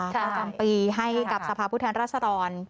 กลางปีให้กับสภาพุทธแห่งราษฎร